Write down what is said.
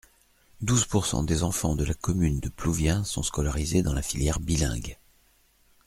Douze pourcents des enfants de la commune de Plouvien sont scolarisés dans la filière bilingue.